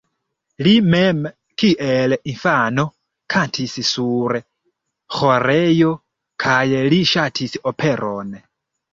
Li mem kiel infano kantis sur ĥorejo kaj li ŝatis operon.